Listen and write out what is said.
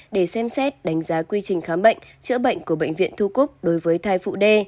để xem xét đánh giá quy trình khám bệnh chữa bệnh của bệnh viện thu cúc đối với thai phụ d